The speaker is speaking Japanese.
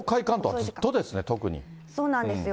東海、そうなんですよ。